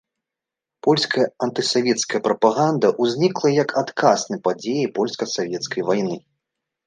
Польская антысавецкая прапаганда ўзнікла як адказ на падзеі польска-савецкай вайны.